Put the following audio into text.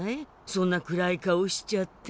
そんな暗い顔しちゃって。